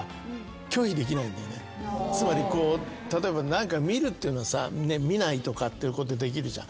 つまり例えば何か見るっていうのはさ見ないとかってできるじゃん。